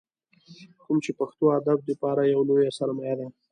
کوم چې پښتو ادب دپاره يوه لويه سرمايه ده ۔